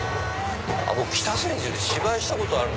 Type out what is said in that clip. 僕北千住で芝居したことある。